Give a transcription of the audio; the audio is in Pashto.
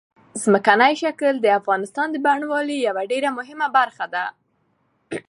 ځمکنی شکل د افغانستان د بڼوالۍ یوه ډېره مهمه برخه ده.